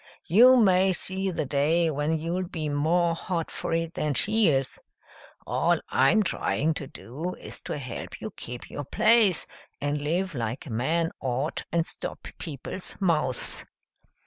You may see the day when you'll be more hot for it than she is. All I'm trying to do is to help you keep your place, and live like a man ought and stop people's mouths."